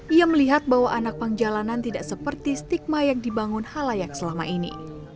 ia melihat bahwa anak pang jalanan tidak seperti stigma yang dibangun halayak selama ini